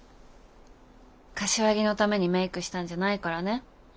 柏木のためにメークしたんじゃないからね。